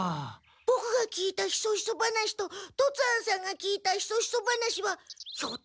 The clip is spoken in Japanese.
ボクが聞いたヒソヒソ話と突庵さんが聞いたヒソヒソ話はひょっとして同じ人たちが？